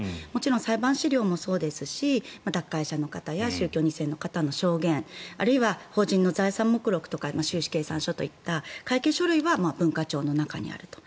裁判資料もそうですし脱会者の方や宗教２世の方の証言あるいは法人の財産目録とか収支計算書とか会計書類は文化庁の中にあると。